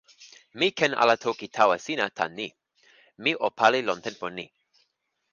mi ken ala toki tawa sina tan ni: mi o pali lon tenpo ni.